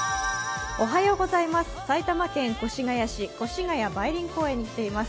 埼玉県越谷市、越谷梅林公園に来ています。